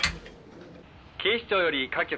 「警視庁より各局。